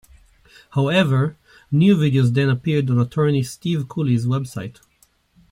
However, new videos then appeared on attorney Steve Cooley's website.